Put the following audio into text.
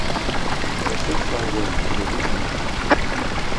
Трасецца агонь, дрыжыць ноч.